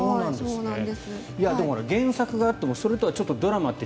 でも、原作があってもそれとはドラマって